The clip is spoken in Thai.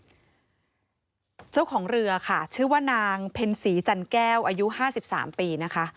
เจ้าของเรือค่ะชื่อว่านางเพ็ญศรีจันแก้วอายุห้าสิบสามปีนะคะ